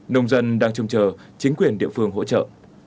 nông dân đang trông chờ chính quyền địa phương hỗ trợ